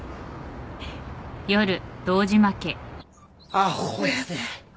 アホやで。